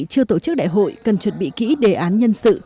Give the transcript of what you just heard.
chưa tổ chức đại hội cần chuẩn bị kỹ đề án nhân sự